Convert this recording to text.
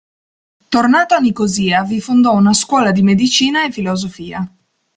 Tornato a Nicosia, vi fondò una scuola di medicina e filosofia.